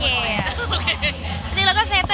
มันเหมือนกับมันเหมือนกับมันเหมือนกับ